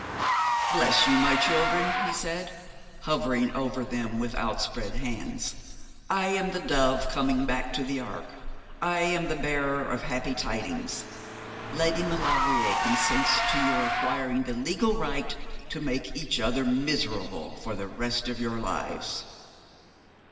'Bless you, my children,' he said, hovering over them with outspread hands. 'I am the dove coming back to the ark. I am the bearer of happy tidings. Lady Maulevrier consents to your acquiring the legal right to make each other miserable for the rest of your lives.'